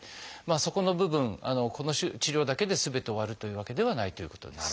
そこの部分この治療だけですべて終わるというわけではないということです。